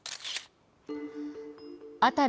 辺り